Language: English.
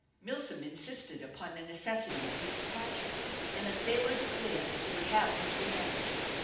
Milsom insisted upon the necessity of his departure, and the sailor declared that he would have his revenge.